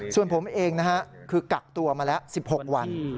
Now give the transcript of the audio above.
ส่วนผมเองนะฮะคือกักตัวมาแล้ว๑๖วัน